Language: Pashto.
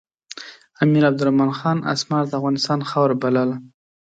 امیر عبدالرحمن خان اسمار د افغانستان خاوره بلله.